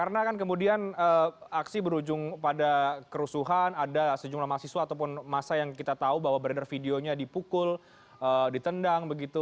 karena kan kemudian aksi berujung pada kerusuhan ada sejumlah mahasiswa ataupun massa yang kita tahu bahwa beredar videonya dipukul ditendang begitu